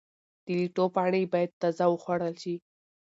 د لیټو پاڼې باید تازه وخوړل شي.